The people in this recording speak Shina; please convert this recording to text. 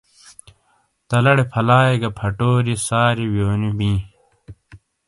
تَلاڑے فَلائیے گہ فٹوریئے ساریئے ویونی بِیں۔